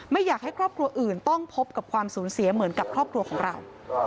ไม่อยากให้ครอบครัวอื่นต้องพบกับความสูญเสียเหมือนกับครอบครัวของเรา